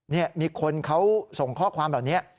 นี่มีคนเขาส่งข้อความเหล่านี้